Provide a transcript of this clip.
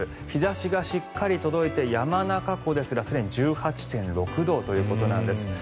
日差しがしっかり届いて山中湖ですら、すでに１８．６度ということなんです。